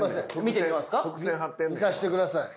見させてください。